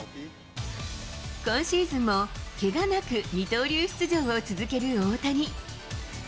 今シーズンもけがなく二刀流出場を続ける大谷。